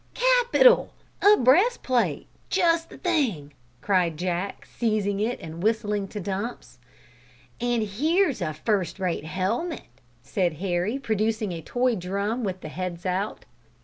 "Capital a breastplate! Just the thing!" cried Jack, seizing it, and whistling to Dumps. "And here's a first rate helmet," said Harry, producing a toy drum with the heads out.